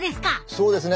そうですね。